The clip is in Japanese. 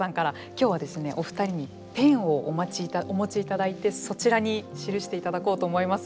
今日は、お二人にペンをお持ちいただいてそちらに記していただこうと思います。